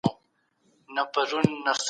ملګري ملتونه په هغه وخت کې موجود نه وو.